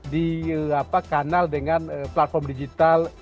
di kanal dengan platform digital